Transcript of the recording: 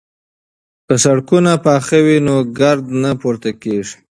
که سړکونه پاخه وي نو ګرد نه پورته کیږي.